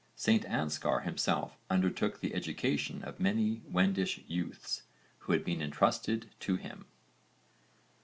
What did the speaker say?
St Anskar himself undertook the education of many Wendish youths who had been entrusted to him.